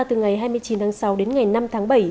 từ ngày hai mươi chín tháng sáu đến ngày năm tháng bảy